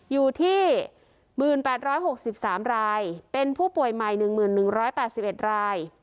อยู่ที่หมื่นแปดร้อยหกสิบสามรายเป็นผู้ป่วยใหม่หนึ่งหมื่นหนึ่งร้อยแปดสิบเอ็ดราย